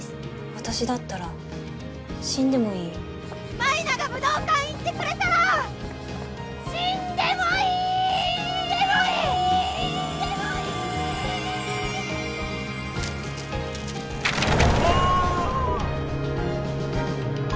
私だったら死んでもいい舞菜が武道館いってくれたら死んでもいいー‼あぁ！